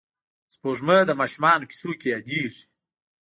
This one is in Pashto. سپوږمۍ د ماشومانو کیسو کې یادېږي